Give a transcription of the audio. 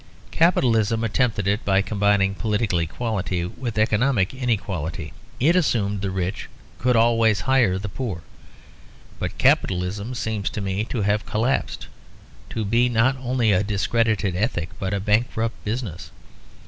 Capitalism attempted it by combining political equality with economic inequality; it assumed the rich could always hire the poor. But Capitalism seems to me to have collapsed; to be not only a discredited ethic but a bankrupt business.